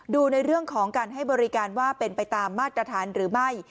ดูในเรื่องของการให้บริการว่าเป็นไปตามมาตรฐานหรือไม่